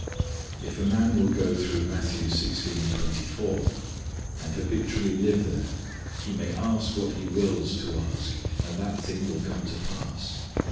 If a man will go through Matthew 16:24, and habitually live there he may ask what he wills to ask, and that thing will come to pass.